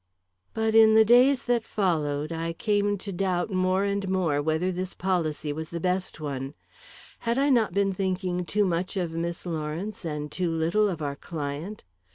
But in the days that followed, I came to doubt more and more whether this policy was the best one. Had I not been thinking too much of Miss Lawrence, and too little of our client?